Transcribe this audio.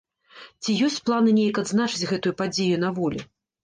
Ці ёсць планы неяк адзначыць гэтую падзею на волі?